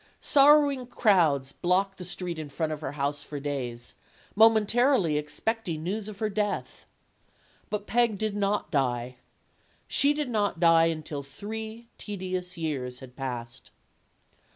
Sorrowing crowds blocked the street in front of her house for days, momentarily expecting news of her death. But Peg did not die. She did not die until three tedious years had passed.